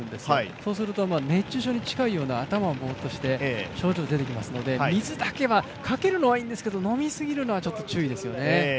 そうすると熱中症に近いような頭がぼーっとする症状が出てきますので水だけは、かけるのはいいんですけど飲み過ぎるのはちょっと注意ですね。